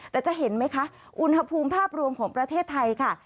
แต่จะเห็นไหมคะอุณหภูมิภาพรวมของประเทศไทยค่ะ